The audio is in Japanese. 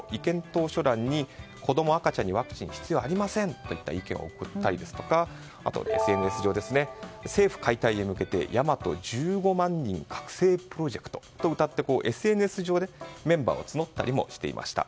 投書欄に子供、赤ちゃんにワクチンは必要ありませんと意見を送ったりですとかあとＳＮＳ上に政府解体へ向けて大和１５万人覚醒プロジェクトとうたってＳＮＳ上でメンバーを募ったりもしていました。